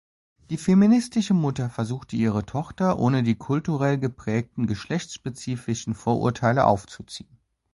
Die feministische Mutter versuchte ihre Tochter ohne die kulturell geprägten geschlechtsspezifischen Vorurteile aufzuziehen.